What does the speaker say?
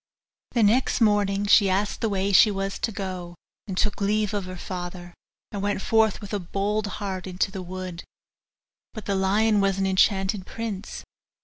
The next morning she asked the way she was to go, and took leave of her father, and went forth with a bold heart into the wood. But the lion was an enchanted prince.